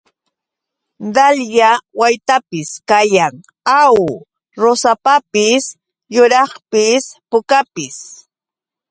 Dalya waytapis kayan, ¿aw? Rusapapis yuraqpis pukapis.